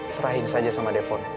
serahin saja sama depon